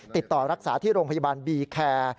ติดต่อรักษาที่โรงพยาบาลบีแคร์